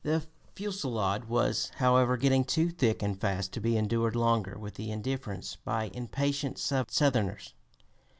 The fusillade was, however, getting too thick and fast to be endured longer with indifference by the impatient Southerners.